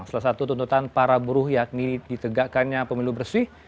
salah satu tuntutan para buruh yakni ditegakannya pemilu bersih